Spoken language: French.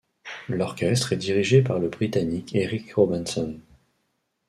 L'orchestre est dirigé par le Britannique Eric Robinson.